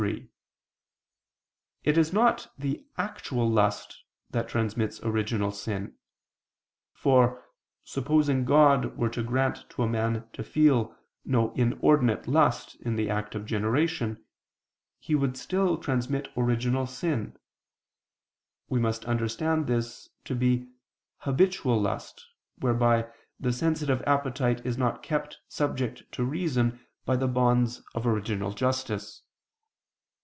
3: It is not the actual lust that transmits original sin: for, supposing God were to grant to a man to feel no inordinate lust in the act of generation, he would still transmit original sin; we must understand this to be habitual lust, whereby the sensitive appetite is not kept subject to reason by the bonds of original justice.